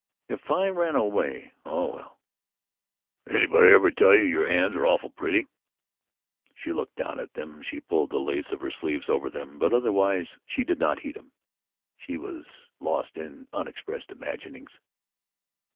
"If I ran away Oh, well " "Anybody ever tell you your hands are awful pretty?" She looked down at them, she pulled the lace of her sleeves over them, but otherwise she did not heed him. She was lost in unexpressed imaginings.